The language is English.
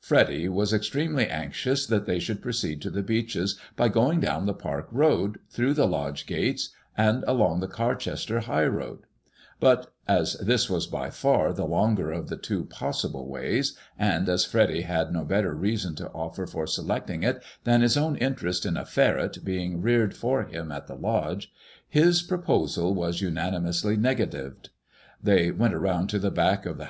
Freddy was extremely anxious that they should proceed to the Beeches by going down the park road, through the lodge gates, and along the Carchester high road ; but as this was by far the longer of the two possible ways, and as Freddy had no better reason to offer for selecting it than his own interest in a ferret being reared for him at the lodge, his proposal was unanimously negatived They went round to the back of the I^ IfADBMOISBEXB IZK.